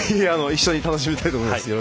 一緒に楽しみたいと思います。